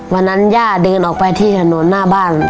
วันนั้นย่าเดินออกไปที่ถนนหน้าบ้าน